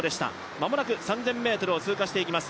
間もなく３０００ｍを通過していきます